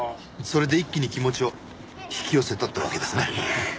それで一気に気持ちを引き寄せたってわけですね。